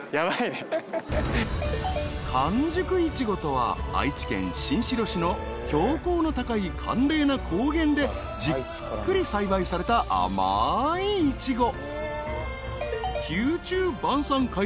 ［寒熟イチゴとは愛知県新城市の標高の高い寒冷な高原でじっくり栽培された甘いイチゴ］